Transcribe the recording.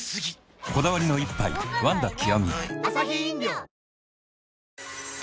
こだわりの一杯「ワンダ極」